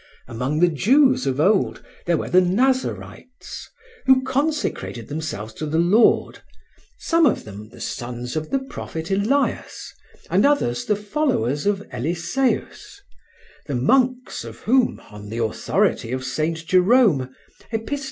Among the Jews of old there were the Nazarites, who consecrated themselves to the Lord, some of them the sons of the prophet Elias and others the followers of Eliseus, the monks of whom, on the authority of St. Jerome (Epist.